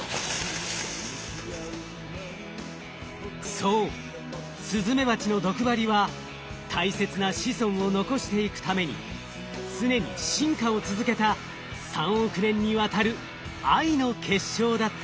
そうスズメバチの毒針は大切な子孫を残していくために常に進化を続けた３億年にわたる愛の結晶だったのです。